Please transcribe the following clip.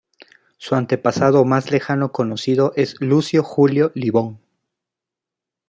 Su antepasado más lejano conocido es Lucio Julio Libón.